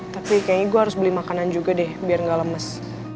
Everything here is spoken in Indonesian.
tapi kayaknya gue harus beli makanan juga deh biar gak lemes